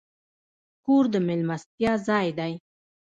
کور د میلمستیا ځای دی.